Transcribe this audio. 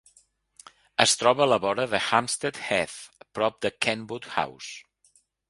Es troba a la vora de Hampstead Heath, prop de Kenwood House.